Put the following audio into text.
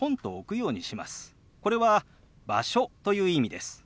これは「場所」という意味です。